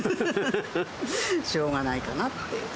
しょうがないかなって。